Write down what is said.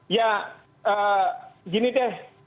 ya gini deh